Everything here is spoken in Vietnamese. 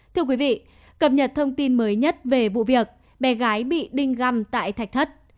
thưa quý vị cập nhật thông tin mới nhất về vụ việc bé gái bị đinh găm tại thạch thất